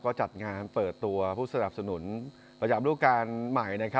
ก็จัดงานเปิดตัวผู้สนับสนุนประจำรูปการณ์ใหม่